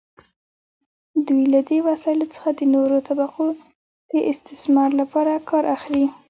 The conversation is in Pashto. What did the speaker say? دوی له دې وسایلو څخه د نورو طبقو د استثمار لپاره کار اخلي.